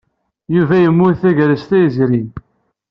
Yuba yemmut tagrest-a yezrin.